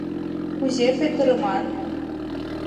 Кузе петырыман?